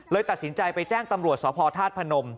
ตัดสินใจไปแจ้งตำรวจสพธาตุพนม